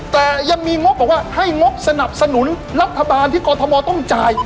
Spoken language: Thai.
แต่ยังมีงบบอกว่าให้งบสนับสนุนรัฐบาลที่กรทมต้องจ่าย